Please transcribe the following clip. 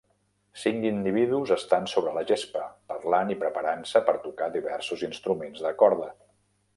Cinc individus estan sobre la gespa, parlant i preparant-se per tocar diversos instruments de corda.